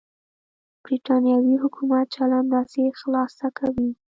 برېټانوي حکومت چلند داسې خلاصه کوي.